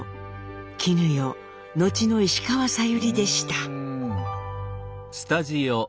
絹代後の石川さゆりでした。